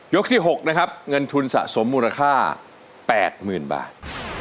ที่๖นะครับเงินทุนสะสมมูลค่า๘๐๐๐บาท